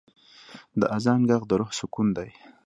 د آذان ږغ د روح سکون دی.